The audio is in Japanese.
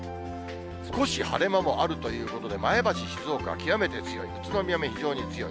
少し晴れ間もあるということで、前橋、静岡、極めて強い、宇都宮も非常に強い。